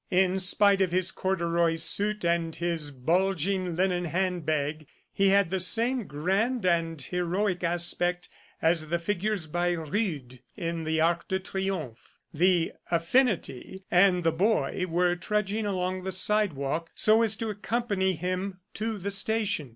In spite of his corduroy suit and his bulging linen hand bag, he had the same grand and heroic aspect as the figures by Rude in the Arc de Triomphe. The "affinity" and the boy were trudging along the sidewalk so as to accompany him to the station.